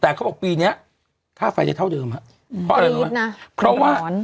แต่เขาบอกปีเนี้ยค่าไฟได้เท่าเดิมฮะเพราะอะไรรู้นะเพราะว่า